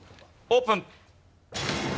オープン！